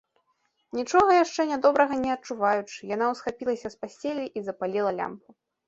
Нічога яшчэ нядобрага не адчуваючы, яна ўсхапілася з пасцелі і запаліла лямпу.